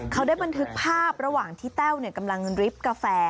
เขาได้บันทึกภาพระหว่างที่แต้วกำลังริบกาแฟ